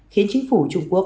khiến chính phủ trung quốc